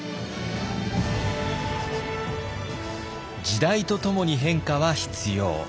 時代とともに変化は必要。